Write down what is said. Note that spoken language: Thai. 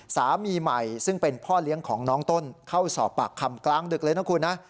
สามีใหม่ซึ่งเป็นพ่อเลี้ยงของน้องต้นเข้าสอบปากคำกลางดึกเลยนะคุณนะ